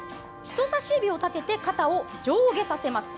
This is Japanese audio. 人差し指を立てて肩を上下させます。